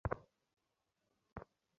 পরিস্থিতি সামাল দেয়া নিশ্চয় খুব কঠিন ছিল।